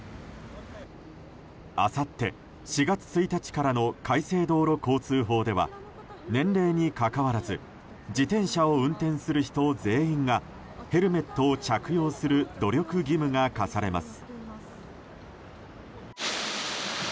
あさって４月１日からの改正道路交通法では年齢にかかわらず自転車を運転する人全員がヘルメットを着用する努力義務が課されます。